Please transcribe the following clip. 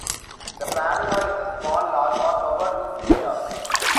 The "planula" is a small larva covered with cilia.